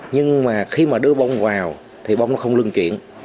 nhưng mà khi mà đưa bông vào thì bông nó không lưng kiện